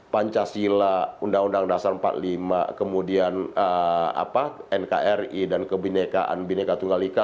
pancasila undang undang dasar empat puluh lima kemudian nkri dan kebinekaan bhinneka tunggal ika